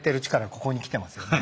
ここに来てますよね。